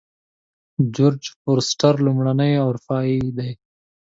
جورج فورسټر لومړنی اروپایی دی.